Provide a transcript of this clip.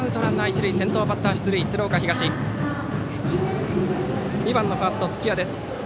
そして２番ファースト、土屋です。